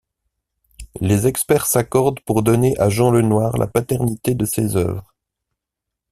Les experts s'accordent pour donner à Jean Le Noir la paternité de ces œuvres.